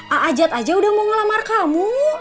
al ajat aja udah mau ngelamar kamu